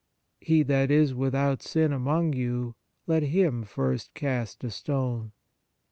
He that is without sin among you, let him first cast a stone."